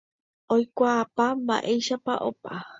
oikuaápa ma'éichapa opa